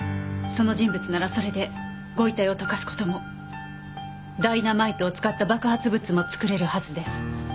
その人物ならそれで御遺体を溶かす事もダイナマイトを使った爆発物も作れるはずです。